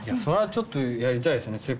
それはちょっとやりたいですね。